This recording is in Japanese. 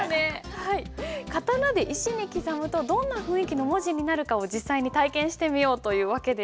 刀で石に刻むとどんな雰囲気の文字になるかを実際に体験してみようという訳です。